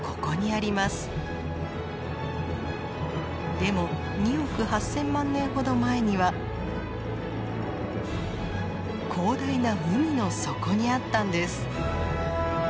でも２億８，０００万年ほど前には広大な海の底にあったんです。